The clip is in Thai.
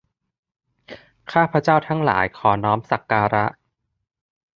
ข้าพเจ้าทั้งหลายขอน้อมสักการะ